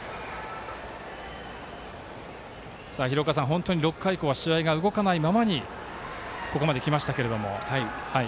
本当に６回以降は試合が動かないままにここまできました。